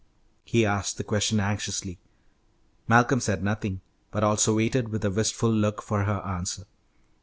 He asked the question anxiously. Malcolm said nothing, but also waited with a wistful look for her answer.